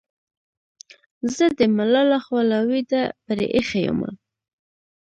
زه دې ملاله خوله وېده پرې اېښې یمه.